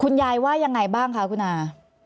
ยายว่ายังไงบ้างคะคุณอา